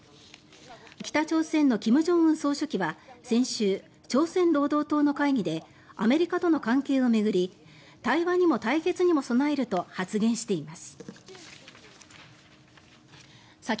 北朝鮮の金正恩総書記は先週、朝鮮労働党の会議でアメリカとの関係を巡り対話にも対決にも備えると発言しています。